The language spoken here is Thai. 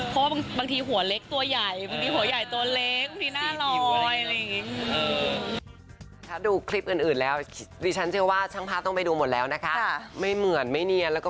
คนกลัวคนทำตัวจะเชื่อหรือเปล่า